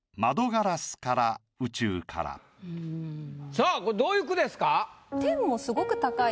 さぁこれどういう句ですか？